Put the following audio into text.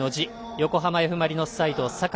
横浜Ｆ・マリノスサイド、酒井。